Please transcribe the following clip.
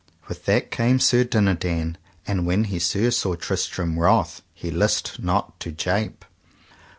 With that came Sir Dinadan, and when he saw Sir Tristram wroth he list not to jape.